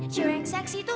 cewek yang seksi tuh